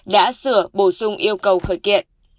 đã sửa bổ sung yêu cầu khởi kiện